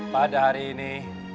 pada hari ini